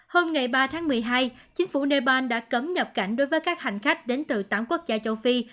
hôm ngày ba tháng một mươi hai chính phủ nepal đã cấm nhập cảnh đối với các hành khách đến từ tám quốc gia châu phi